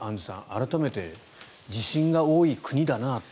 改めて地震が多い国だなと。